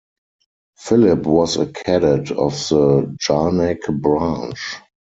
Philippe was a cadet of the Jarnac branch.